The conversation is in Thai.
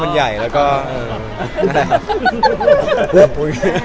มันใหญ่หรืออะไร